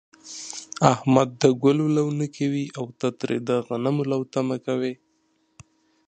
احمد د گلو لو نه کوي، او ته ترې د غنمو لو تمه کوې.